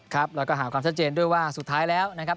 ครับแล้วก็หาความชัดเจนด้วยว่าสุดท้ายแล้วนะครับ